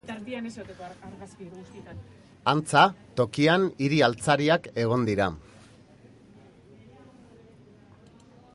Antza, tokian hiri-altzariak egon dira.